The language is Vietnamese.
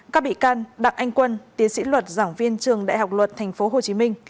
các bị can đặng anh quân tiến sĩ luật giảng viên trường đại học luật tp hcm